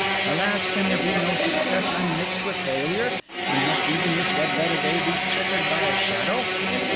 Alas, can there be no success unmixed with failure? and must even this red letter day be chequered by a shadow?